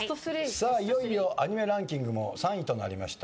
いよいよアニメランキングも３位となりました。